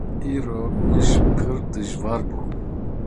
Îro mij pir dijwar bû.